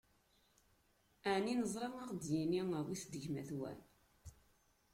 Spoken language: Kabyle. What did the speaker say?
Ɛni neẓra ad ɣ-id-yini: Awit-d gma-twen?